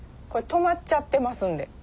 これ止まっちゃってますんで。